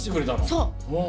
そう。